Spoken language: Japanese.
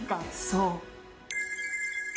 そう！